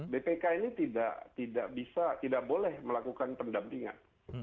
bpk ini tidak boleh melakukan pendampingan